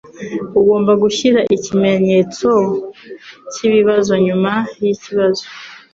Ugomba gushyira ikimenyetso cyibibazo nyuma yikibazo.